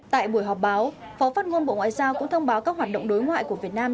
tại buổi họp báo phó phát ngôn bộ ngoại giao cũng thông báo các hoạt động đối ngoại của việt nam